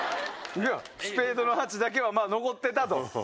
スペードの８だけは残ってたと。